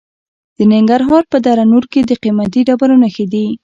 د ننګرهار په دره نور کې د قیمتي ډبرو نښې دي.